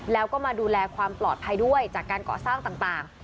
แล้วก็มาดูแลความปลอดภัยด้วยจากการก่อสร้างต่าง